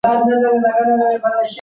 د پښتو د بقا لپاره هڅې مه سپموئ.